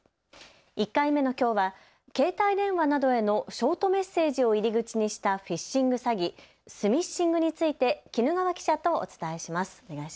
１回目のきょうは携帯電話などへのショートメッセージを入り口にしたフィッシング詐欺、スミッシングについて絹川記者とお伝えします。